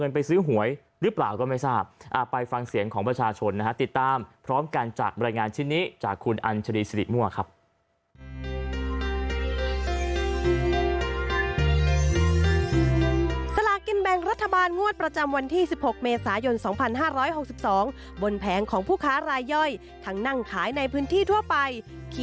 ไปฟังเสียงของประชาชนนะครับติดตามพร้อมกันจากบรรยายงานชิ้นนี้